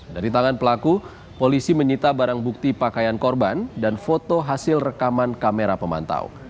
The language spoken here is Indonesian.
dari tangan pelaku polisi menyita barang bukti pakaian korban dan foto hasil rekaman kamera pemantau